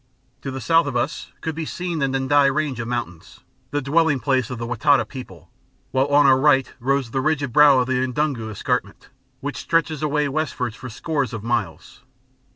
To the south of us could be seen the N'dii range of mountains, the dwelling place of the Wa Taita people, while on our right rose the rigid brow of the N'dungu Escarpment, which stretches away westwards for scores of miles.